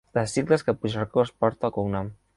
Les sigles que Puigcercós porta al cognom.